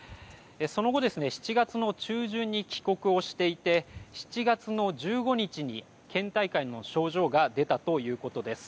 その後７月の中旬に帰国をしていて７月１５日に倦怠感の症状が出たということです。